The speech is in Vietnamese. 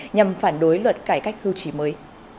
nhằm phản đối luật cải cách hưu trí mới